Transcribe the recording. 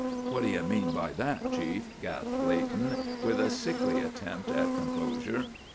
"What do you mean by that, Chief?" gasped Leighton, with a sickly attempt at composure.